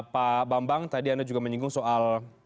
pak bambang tadi anda juga menyinggung soal